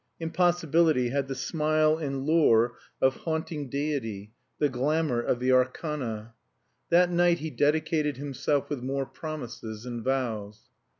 Impossibility had the smile and lure of haunting deity, the glamor of the arcana. That night he dedicated himself with more promises and vows.